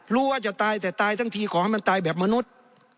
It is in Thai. รู้ว่าจะตายแต่ตายทั้งทีขอให้มันตายแบบมนุษย์